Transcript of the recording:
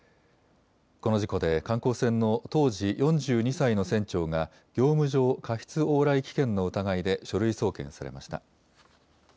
この事故で、観光船の当時４２歳の船長が業務上過失往来危険の疑いで書類送検されました。